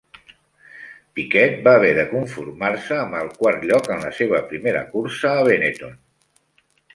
Piquet va haver de conformar-se amb el quart lloc en la seva primera cursa a Benetton.